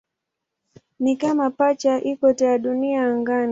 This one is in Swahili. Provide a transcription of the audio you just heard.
Ni kama pacha ya ikweta ya Dunia angani.